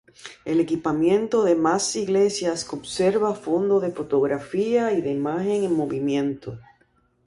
El equipamiento de Mas Iglesias conserva fondo de fotografía y de imagen en movimiento.